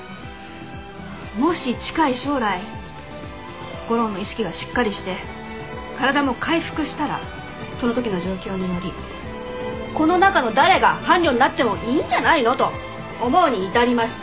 もし近い将来吾良の意識がしっかりして体も回復したらその時の状況により「この中の誰が伴侶になってもいいんじゃないの？」と思うに至りました。